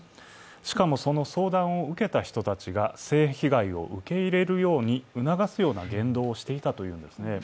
しかもその相談を受けた人たちが性被害を受け入れるように促すような言動をしていたというんですね。